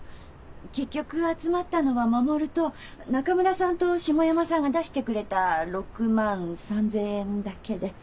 結局集まったのは守と中村さんと下山さんが出してくれた６万３０００円だけで。